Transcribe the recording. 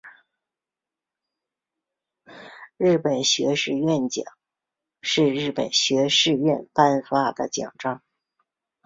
日本学士院奖是日本学士院颁发的奖章。